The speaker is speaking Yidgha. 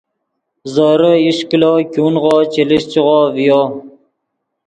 زورے ایش کلو ګونغو چے لیشچیغو ڤیو